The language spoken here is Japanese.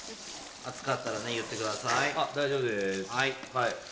熱かったら言ってください。